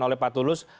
oleh pak tulus